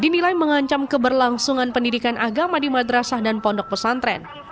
dinilai mengancam keberlangsungan pendidikan agama di madrasah dan pondok pesantren